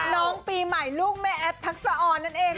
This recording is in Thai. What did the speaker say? น้องปีใหม่ลูกแม่แอฟทักษะออนนั่นเอง